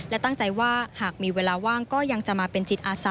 และตั้งใจว่าหากมีเวลาว่างก็ยังจะมาเป็นจิตอาสา